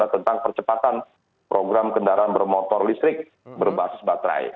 tentang percepatan program kendaraan bermotor listrik berbasis baterai